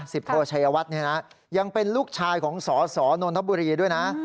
สิบโทชัยวัฒน์นี้นะยังเป็นลูกชายของสสนทบุรีย์ด้วยนะ